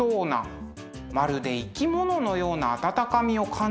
まるで生き物のような温かみを感じますねえ。